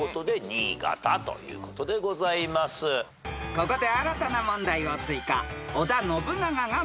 ［ここで新たな問題を追加］